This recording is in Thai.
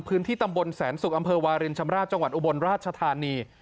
พื้นที่ตำบลแสนศุกร์อำเภอวารินชำราบจังหวัดอุบลราชธานี